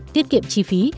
tiết kiệm chi phí